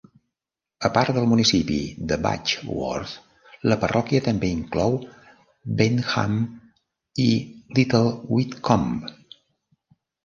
A part del municipi de Badgeworth, la parròquia també inclou Bentham i Little Witcombe.